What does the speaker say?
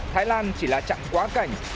thái lan chỉ là chặng quá cảnh